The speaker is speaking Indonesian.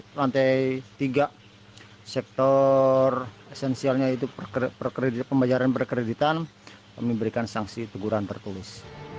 yang di lantai tiga sektor esensialnya itu pembayaran berkreditan kami berikan sanksi teguran tertulis